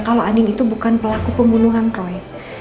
kalau andin itu bukan pelaku pembunuhan roy